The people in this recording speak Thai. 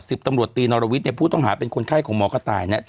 ตำรวจตีนรวิทย์ผู้ต้องหาเป็นคนไข้ของหมอกระต่ายเนี่ย